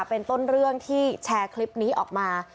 เป็นต้นเรื่องที่แชร์คลิปนี้ออกมา